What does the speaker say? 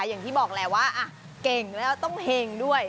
อย่างที่บอกแหละว่าเก่งแล้วต้องเห็งด้วย